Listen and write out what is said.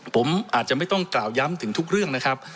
ผมอาจจะไม่ต้องกล่าวย้ำถึงทุกเรื่องนะครับ